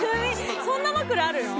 そんな枕あるの？